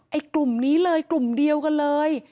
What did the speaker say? กลุ่มนี้เลยกลุ่มเดียวกันเลย